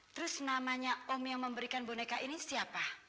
terus namanya om yang memberikan boneka ini siapa